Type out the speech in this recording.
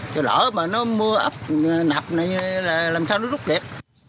chứ lỡ mà nó mưa ấp nạp này là làm sao nó rút đẹp